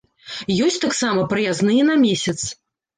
Ёсць таксама праязныя на месяц.